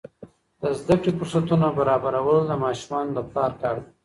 د زده کړې فرصتونه برابرول د ماشومانو د پلار کار دی.